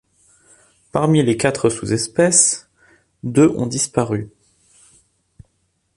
Parmi les quatre sous-espèces, deux ont disparu.